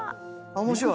面白い。